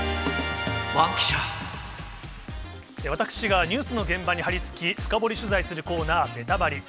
私がニュースの現場に張り付き、深掘り取材するコーナー、ベタバリ。